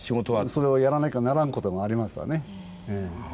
それをやらなきゃならんこともありますわね。